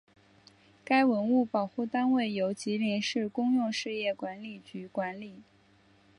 该文物保护单位由吉林市公用事业管理局管理。